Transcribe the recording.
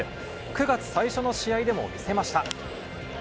９月最初の試合でも見せました。